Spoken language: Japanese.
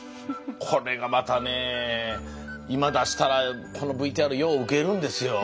これがまたねえ今出したらこのＶＴＲようウケるんですよこれ。